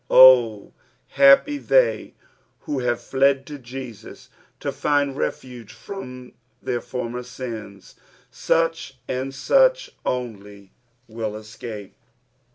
Oh ! happy they who have fied to Jesus to find refuse from their former sins, such, and such only will escape.